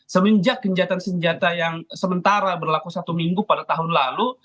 semenjak kejahatan senjata yang sementara berlaku satu minggu pada tahun lalu